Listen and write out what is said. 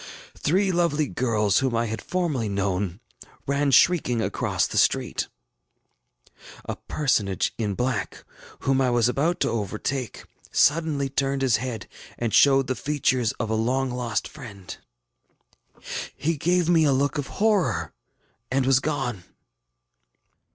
Three lovely girls whom I had formerly known, ran shrieking across the street. A personage in black, whom I was about to overtake, suddenly turned his head and showed the features of a long lost friend. He gave me a look of horror and was gone.